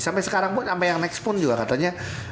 sampai sekarang pun sampai yang next pun juga katanya